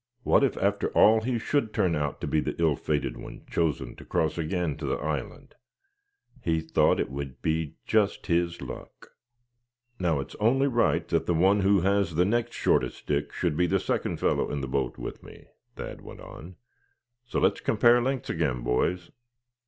What if after all he should turn out to be the ill fated one chosen to cross again to the island? He thought it would be just his luck. "Now, it's only right that the one who has the next shortest stick should be the second fellow in the boat with me," Thad went on; "so let's compare lengths again, boys."